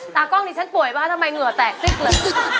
ตากล้องนี้ฉันป่วยป่ะทำไมเหงื่อแตกติ๊กเลย